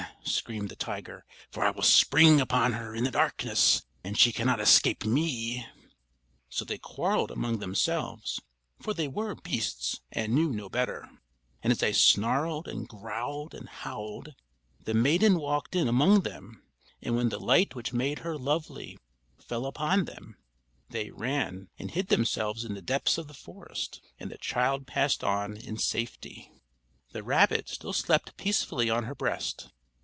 screamed the tiger; "for I will spring upon her in the darkness, and she cannot escape me!" [Illustration: The child took the tiny creature in her arms and held it close.] So they quarreled among themselves, for they were beasts and knew no better; and as they snarled and growled and howled, the maiden walked in among them; and when the light which made her lovely fell upon them, they ran and hid themselves in the depths of the forest, and the child passed on in safety. The rabbit still slept peacefully on her breast.